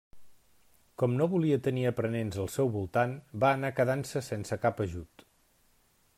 Com no volia tenir aprenents al seu voltant va anar quedant-se sense cap ajut.